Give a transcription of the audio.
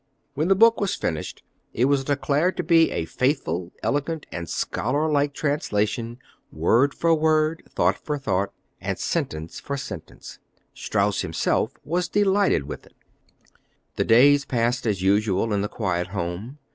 When the book was finished, it was declared to be "A faithful, elegant, and scholarlike translation ... word for word, thought for thought, and sentence for sentence." Strauss himself was delighted with it. The days passed as usual in the quiet home.